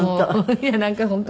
いやなんか本当。